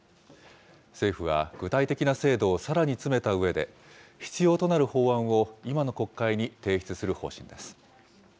政府は具体的な制度をさらに詰めたうえで、必要となる法案を今の国会に提出する方針です。